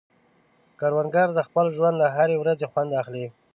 کروندګر د خپل ژوند له هرې ورځې خوند اخلي